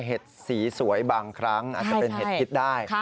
เห็ดสีสวยบางครั้งอาจจะเป็นเห็ดพิษได้